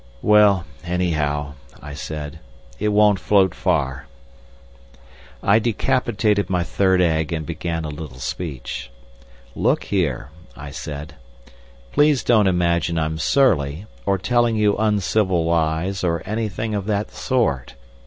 "Well, anyhow," I said, "it won't float far." I decapitated my third egg, and began a little speech. "Look here," I said. "Please don't imagine I'm surly or telling you uncivil lies, or anything of that sort.